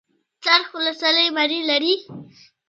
څرخ ولسوالۍ مڼې لري؟